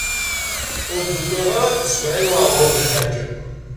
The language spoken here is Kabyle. Ur ddukkuleɣ ara akked Smawil Waɛmaṛ U Belḥaǧ.